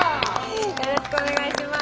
よろしくお願いします。